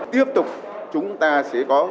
tiếp tục chúng ta sẽ có